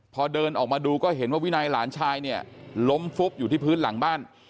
พอเดินออกมาดูก็เห็นว่าวินัยหลานชายเนี่ยล้มฟุบอยู่ที่พื้นหลังบ้าน